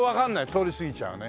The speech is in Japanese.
通り過ぎちゃうね。